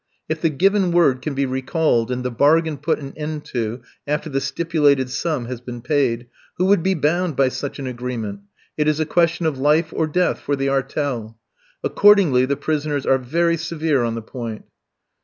If the given word can be recalled, and the bargain put an end to after the stipulated sum has been paid, who would be bound by such an agreement? It is a question of life or death for the "artel." Accordingly the prisoners are very severe on the point.